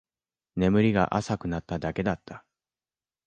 眠りが浅くなっただけだった